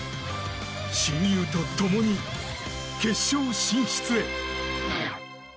親友と共に、決勝進出へ！